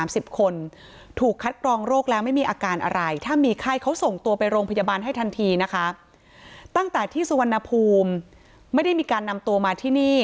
สุวรรณภูมิไม่ได้มีการนำตัวมาที่นี่